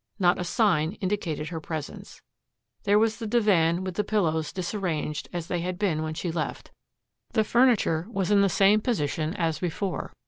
Not a sign indicated her presence. There was the divan with the pillows disarranged as they had been when she left. The furniture was in the same position as before.